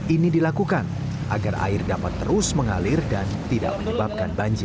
ini dilakukan agar air dapat terus mengalir dan tidak menyebabkan banjir